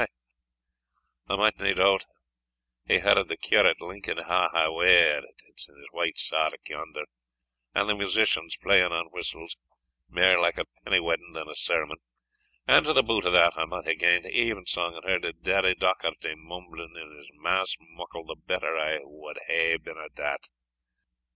I might nae doubt hae heard the curate linking awa at it in his white sark yonder, and the musicians playing on whistles, mair like a penny wedding than a sermon and to the boot of that, I might hae gaen to even song, and heard Daddie Docharty mumbling his mass muckle the better I wad hae been o' that!"